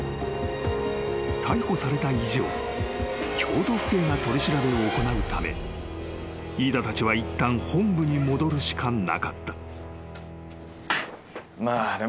［逮捕された以上京都府警が取り調べを行うため飯田たちはいったん本部に戻るしかなかった］